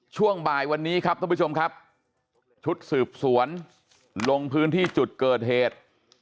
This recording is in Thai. ช่วงบ่ายวันนี้ครับท่านผู้ชมครับชุดสืบสวนลงพื้นที่จุดเกิดเหตุ